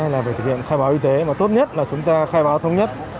là phải thực hiện khai báo y tế mà tốt nhất là chúng ta khai báo thông nhất